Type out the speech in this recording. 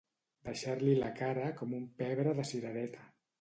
Deixar-li la cara com un pebre de cirereta.